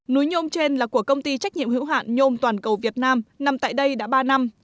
núi nhôm trên là của công ty trách nhiệm hữu hạn nhôm toàn cầu việt nam nằm tại đây đã ba năm